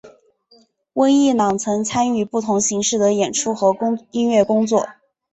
温逸朗曾参与不同形式的演出和音乐工作。